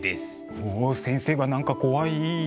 おお先生が何か怖い。